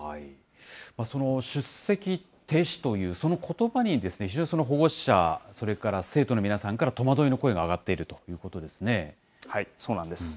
その出席停止という、そのことばに、非常に保護者、それから生徒の皆さんから、戸惑いの声が上がっているということそうなんです。